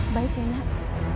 baik ya nak